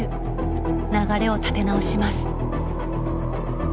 流れを立て直します。